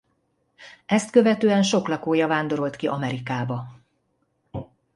Ezt követően sok lakója vándorolt ki Amerikába.